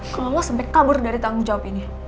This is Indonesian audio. kalau awas sampe kabur dari tanggung jawab ini